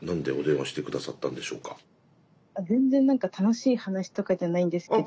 全然楽しい話とかじゃないんですけど。